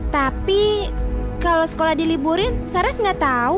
tapi kalau sekolah diliburin saras nggak tahu